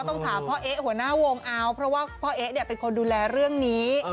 ต้องถามพ่อเอ๊ะหัวหน้าวงเอาเพราะว่าพ่อเอ๊ะเนี่ยเป็นคนดูแลเรื่องนี้